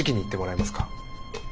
え？